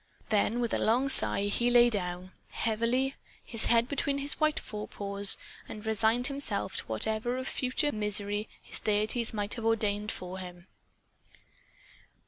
Then, with a long sigh, he lay down, heavily, his head between his white forepaws, and resigned himself to whatever of future misery his deities might have ordained for him.